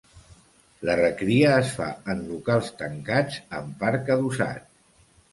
La recria es fa en locals tancats amb parc adossat.